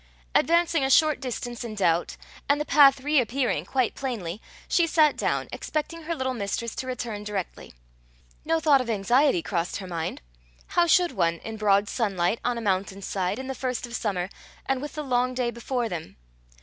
Advancing a short distance in doubt, and the path re appearing quite plainly, she sat down, expecting her little mistress to return directly. No thought of anxiety crossed her mind: how should one, in broad sunlight, on a mountain side, in the first of summer, and with the long day before them?